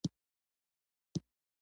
جنت مې ځای دې